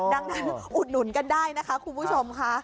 ดังนั้นอุดหนุนกันได้นะคะคุณผู้ชมค่ะ